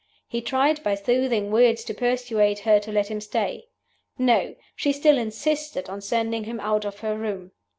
He tried by soothing words to persuade her to let him stay. No! She still insisted on sending him out of her room.